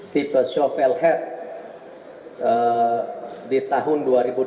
tipe shovelhead di tahun dua ribu delapan belas